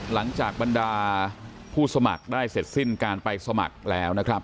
หลังจากบรรดาผู้สมัครได้เสร็จสิ้นการไปสมัครแล้วนะครับ